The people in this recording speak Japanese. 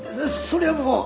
そりゃもう。